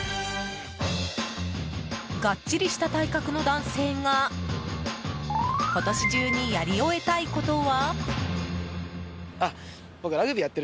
がっちりした体格の男性が今年中にやり終えたいことは。